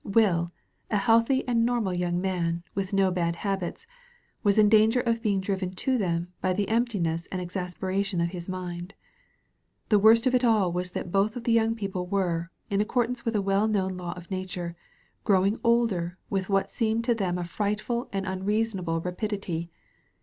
Will, a healthy and normal youn^ man, with no bad habits, was in danger of being driven to them by the emp tiness and exasperation of his mind. The worst of it all was that both of the young people were, in accordance with a well known law of nature, grow ing older with what seemed to them a frightful and 242 SALVAGE POINT tinreasonable rapidity.